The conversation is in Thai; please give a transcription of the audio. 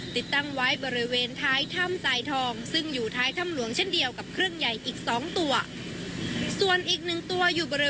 ติดตั้งไว้บริเวณท้ายถ้ำสายทองซึ่งอยู่ท้ายถ้ำหลวงเช่นเดียวกับเครื่องใหญ่อีก๒ตัว